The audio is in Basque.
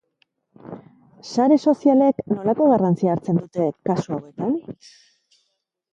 Sare sozialek nolako garrantzia hartzen dute kasu hauetan?